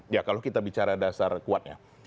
ya kalau kita bicara dasar kuatnya